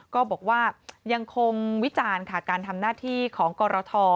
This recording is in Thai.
ก็บอกว่ายังคงวิจารณ์ค่ะการทำหน้าที่ของกรท